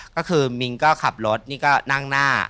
ก็คือมิ้งก็ขับรถนี่ก็นั่งหน้า